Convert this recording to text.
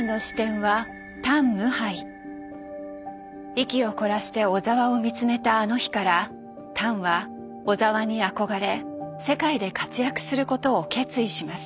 息を凝らして小澤を見つめたあの日からタンは小澤に憧れ世界で活躍することを決意します。